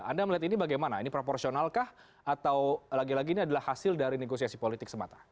anda melihat ini bagaimana ini proporsionalkah atau lagi lagi ini adalah hasil dari negosiasi politik semata